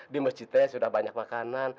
di masjidnya sudah banyak makanan